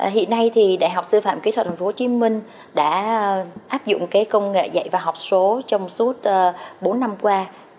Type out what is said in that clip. hiện nay đại học sư phạm kỹ thuật hồ chí minh đã áp dụng công nghệ dạy và học số trong suốt bốn năm qua